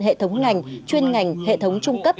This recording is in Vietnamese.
hệ thống ngành chuyên ngành hệ thống trung cấp